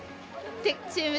チーム